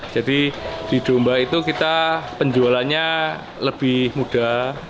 jadi di domba itu kita penjualannya lebih mudah